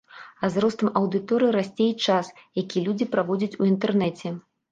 А з ростам аўдыторыі расце і час, які людзі праводзяць у інтэрнэце.